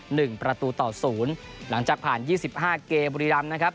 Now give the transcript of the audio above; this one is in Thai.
หนึ่งประตูต่อศูนย์หลังจากผ่านยี่สิบห้าเกมบุรีรำนะครับ